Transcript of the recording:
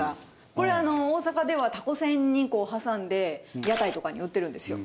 これあの大阪ではたこせんに挟んで屋台とかに売ってるんですよ。